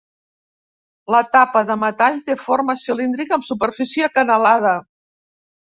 La tapa, de metall, té forma cilíndrica amb superfície acanalada.